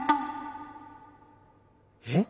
えっ？